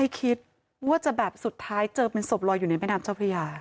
คิดว่าจะแบบสุดท้ายเจอเป็นศพลอยอยู่ในแม่น้ำเจ้าพระยา